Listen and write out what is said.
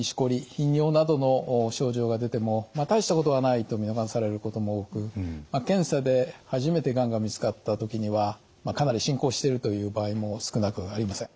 頻尿などの症状が出ても大したことはないと見逃されることも多く検査で初めてがんが見つかったときにはかなり進行しているという場合も少なくありません。